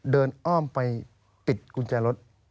อ้อมไปปิดกุญแจรถ